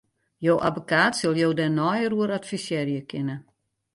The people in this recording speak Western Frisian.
Jo abbekaat sil jo dêr neier oer advisearje kinne.